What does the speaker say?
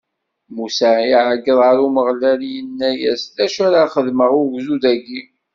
Musa iɛeggeḍ ɣer Umeɣlal, inna-as: D acu ara xedmeɣ i ugdud-agi?